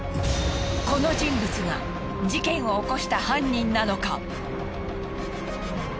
この人物が事件を起こした犯人なのか？